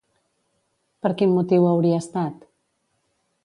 Per quin motiu hauria estat?